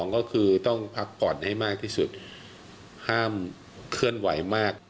ก็คือต้องพักผ่อนให้มากที่สุดห้ามเคลื่อนไหวมาก